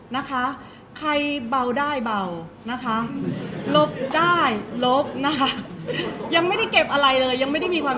เพราะว่าสิ่งเหล่านี้มันเป็นสิ่งที่ไม่มีพยาน